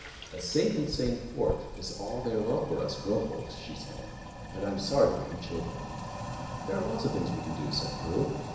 "A safe and sane Fourth is all very well for us grown folks," she said, "but I am sorry for you chil dren." "There are lots of things we can do," said Prue.